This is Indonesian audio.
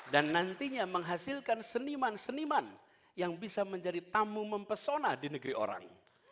dan nantinya menghasilkan seniman seniman yang bisa menjadi tamu mempesona di negeri orang